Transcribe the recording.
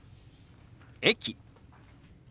「駅」。